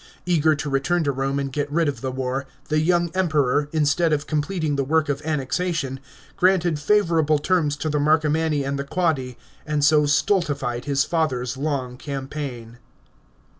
Eager to return to Rome and get rid of the war, the young Emperor, instead of completing the work of annexation, granted favourable terms to the Marcomanni and the Quadi, and so stultified his father's long campaign.